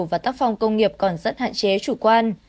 và tác phòng công nghiệp còn rất hạn chế chủ quan